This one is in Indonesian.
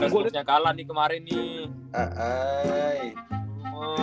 gara gara spursnya kalah nih kemarin nih